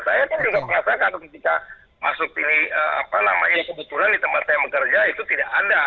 saya kan juga mengatakan ketika masuk ini apa namanya kebetulan di tempat saya bekerja itu tidak ada